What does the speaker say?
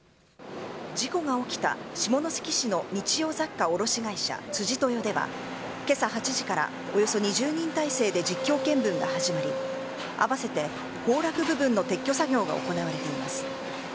事故が起きた下関市の日用雑貨卸会社辻豊では今朝８時からおよそ２０人態勢で実況見分が始まり併せて崩落部分の撤去作業が行われています。